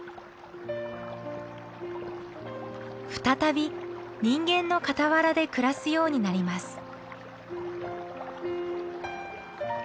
再び人間の傍らで暮らすようになります。